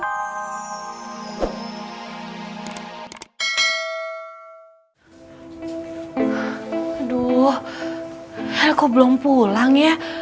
aduh hel kok belum pulang ya